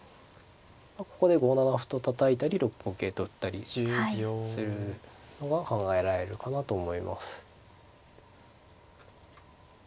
ここで５七歩とたたいたり６五桂と打ったりするのが考えられるかなと思います。